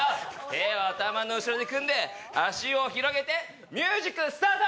手を頭の後ろで組んで、足を広げてミュージックスタート！